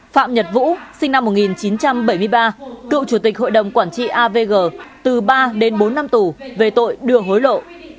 phạm nhật vũ sinh năm một nghìn chín trăm bảy mươi ba cựu chủ tịch hội đồng quản trị avg từ ba đến bốn năm tù về tội đưa hối lộ